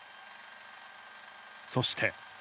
そして。